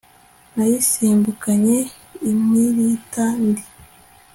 nayisimbukanye impirita ndi